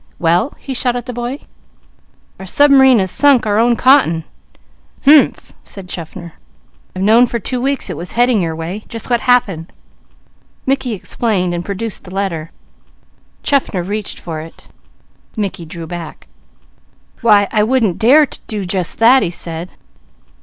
"Well?" he shot at the boy. "Our subm'rine has sunk our own cotton." "Humph!" said Chaffner. "I've known for two weeks it was heading your way. Just what happened?" Mickey explained and produced the letter. Chaffner reached for it. Mickey drew back. "Why I wouldn't dare do just that," he said.